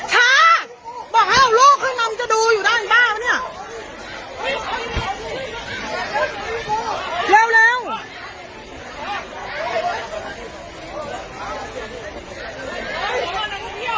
ช้าบอกให้เอาลูกขึ้นมามันจะดูอยู่ด้านอีกบ้านปะเนี่ย